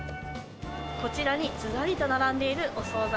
こちらにずらりと並んでいるお総菜。